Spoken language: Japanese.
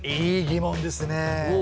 いい疑問ですね。